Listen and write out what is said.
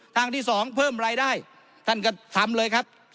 ทางที่๒เพิ่มรายได้ท่านก็ทำเลยครับ